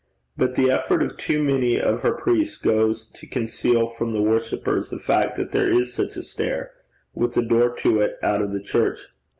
But the effort of too many of her priests goes to conceal from the worshippers the fact that there is such a stair, with a door to it out of the church.